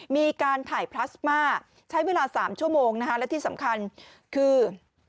มีการถ่ายพลาสมาใช้เวลา๓ชั่วโมงนะคะและที่สำคัญคือ